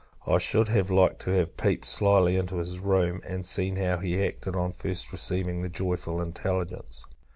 I should have liked to have peeped slyly into his room, and seen how he acted on first receiving the joyful intelligence.